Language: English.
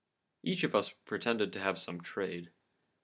Each one of us pretended to have some trade.